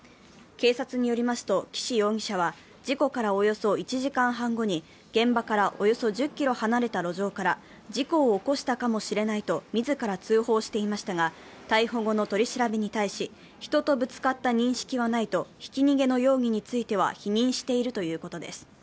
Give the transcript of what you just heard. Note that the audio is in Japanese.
警察によりますと岸容疑者は事故からおよそ１時間半後に現場からおよそ１０ｋｍ離れた路上から事故を起こしたかもしれないと自ら通報していましたが、逮捕後の取り調べに対し、人とぶつかった認識はないとひき逃げの容疑については否認しているということです。